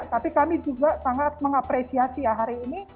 tapi kami juga sangat mengapresiasi ya hari ini